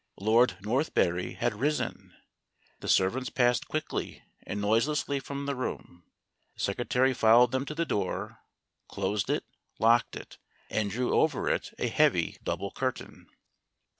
Lord Northberry had risen. The servants passed quickly and noiselessly from the room. The Secretary fol lowed them to the door, closed it, locked it, and drew over it a heavy double curtain.